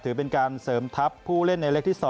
ถือเป็นการเสริมทัพผู้เล่นในเล็กที่๒